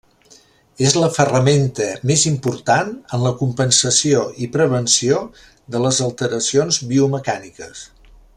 És la ferramenta més important en la compensació i prevenció de les alteracions biomecàniques.